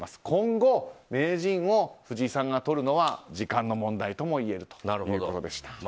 今後、名人を藤井さんがとるのは時間の問題とも言えるということでした。